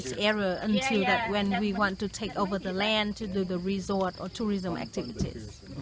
sampai saat kita ingin mengambil alam untuk melakukan aktivitas resor atau turisme